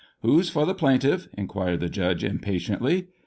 "Who's for the plaintiff?" inquired the judge, impatiently.